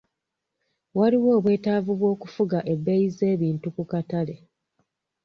Waliwo obwetaavu bw'okufuga ebbeeyi z'ebintu ku katale.